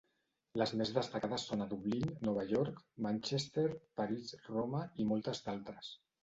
Les més destacades són a Dublín, Nova York, Manchester, París, Roma i moltes d'altres.